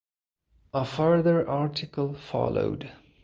A further article followed.